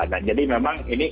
dan jadi memang ini